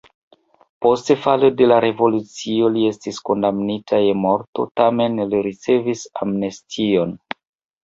Post falo de la revolucio li estis kondamnita je morto, tamen li ricevis amnestion.